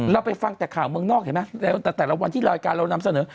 ไปฟังแต่ข่าวเมืองนอกเห็นไหมแต่แต่ละวันที่รายการเรานำเสนอ